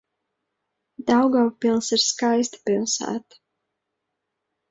Daugavpils ir skaista pilsēta.